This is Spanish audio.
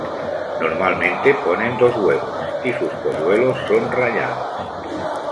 Normalmente ponen dos huevos, y sus polluelos son rayados.